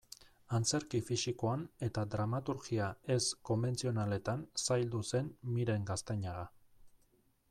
Antzerki fisikoan eta dramaturgia ez-konbentzionaletan zaildu zen Miren Gaztañaga.